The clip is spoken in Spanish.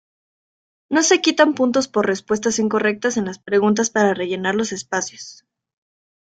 No se quitan puntos por respuestas incorrectas en la preguntas para rellenar los espacios.